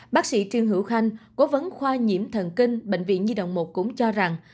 bác sĩ trương hữu khanh cố vấn khoa nhiễm thần kinh bệnh viện nhi đồng một cũng cho rằng